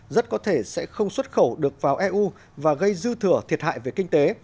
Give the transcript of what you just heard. rất có thể sẽ không xuất khẩu được vào eu và gây dư thừa thiệt hại về kinh tế